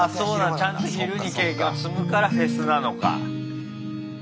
ちゃんと昼に経験を積むからフェスなのか。